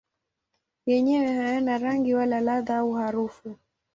Yenyewe hayana rangi wala ladha au harufu.